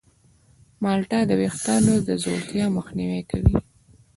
مالټه د ویښتانو د ځوړتیا مخنیوی کوي.